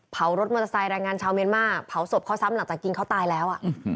เผารถมอเตอร์ไซต์แรงงานเช้าเมนม่าเผาศพข้อทรัพย์หลังจากกินเขาตายแล้ว